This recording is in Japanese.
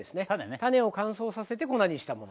種を乾燥させて粉にしたものです。